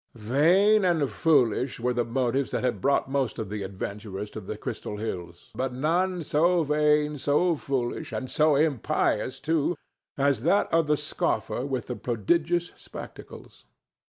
Vain and foolish were the motives that had brought most of the adventurers to the Crystal Hills, but none so vain, so foolish, and so impious too, as that of the scoffer with the prodigious spectacles.